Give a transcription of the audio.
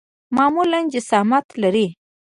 معمولاً جسامت لري.